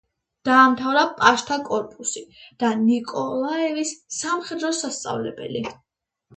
დაამთავრა პაჟთა კორპუსი და ნიკოლაევის სამხედრო სასწავლებელი.